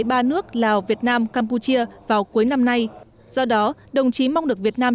ba nước lào việt nam campuchia vào cuối năm nay do đó đồng chí mong được việt nam